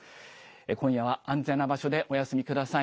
今夜は安全な場所でお休みください。